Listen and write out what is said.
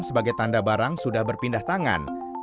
sebagai tanda barang sudah berpindah tangan